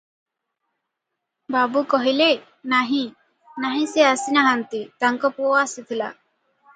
ବାବୁ କହିଲେ – ନାହିଁ, ନାହିଁ ସେ ଆସି ନାହାନ୍ତି, ତାଙ୍କ ପୁଅ ଆସିଥିଲା ।